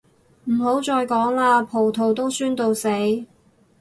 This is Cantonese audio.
唔好再講喇，葡萄到酸到死